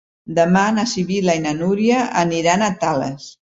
Demà na Sibil·la i na Núria aniran a Tales.